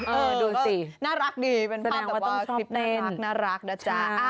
เออดูสิแสดงว่าต้องชอบเต้นน่ารักด้าจ๊ะอ่าน่ารักดีเป็นภาพแต่ว่าคลิปน่ารักนะจ๊ะ